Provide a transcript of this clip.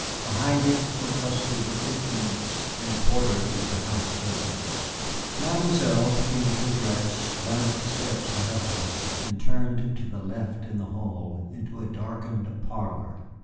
Behind it were clustered the kitchens and quarters of the house servants. Mademoiselle, picking up her dress, ran up the steps ahead of us and turned to the left in the hall into a darkened parlor.